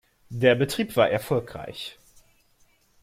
Der Betrieb war erfolgreich.